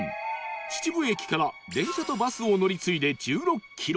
秩父駅から電車とバスを乗り継いで１６キロ